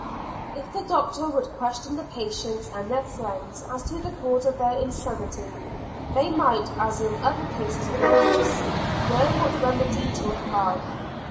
If the Doctor would question the patients and their friends as to the cause of their insanity, they might, as in other cases of illness, know what remedy to apply.